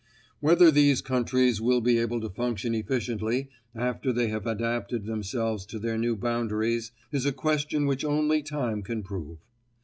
Whether these countries will be able to function efficiently after they have adapted themselves to their new boundaries is a question which only time can prove.